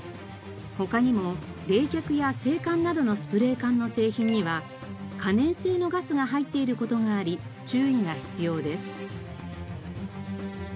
他にも冷却や制汗などのスプレー缶の製品には可燃性のガスが入っている事があり注意が必要です。